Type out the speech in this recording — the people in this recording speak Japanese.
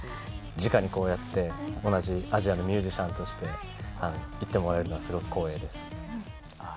じかにこうやって同じアジアのミュージシャンとして言ってもらえるのはすごく光栄です。